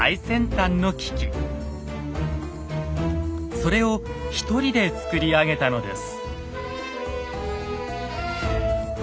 それを一人で作り上げたのです。